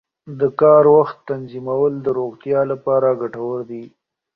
د کار وخت تنظیمول د روغتیا لپاره ګټور دي.